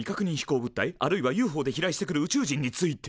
あるいはＵＦＯで飛来してくる宇宙人について？